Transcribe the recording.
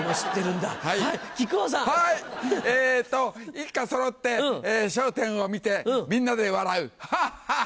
一家そろって『笑点』を見てみんなで笑うハッハッハッ！